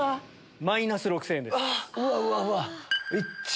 マイナス６０００円です。